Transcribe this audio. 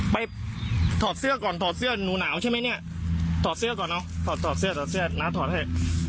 ถอดเสื้อก่อนถอดเสื้อหนูหนาวใช่ไหมเนี่ยถอดเสื้อก่อนเนอะถอดถอดเสื้อถอดเสื้อน้าถอดให้